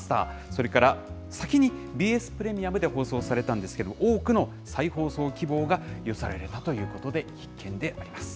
それから先にＢＳプレミアムで放送されたんですけども、多くの再放送希望が寄せられたということで、必見であります。